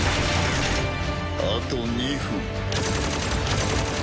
あと２分。